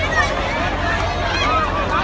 ก็ไม่มีเวลาให้กลับมาเท่าไหร่